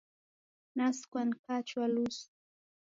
Nasukwa nikachwa lusu.